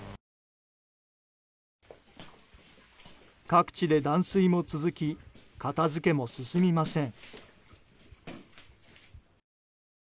各地で断水も続き片付けも進みません。